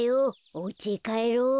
おうちへかえろう。